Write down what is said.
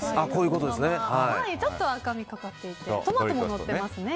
ちょっと赤みがかっていてトマトものっていますね。